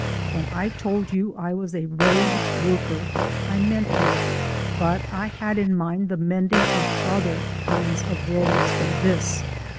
When I told you I was a road worker I meant it, but I had in mind the mending of other kinds of roads than this."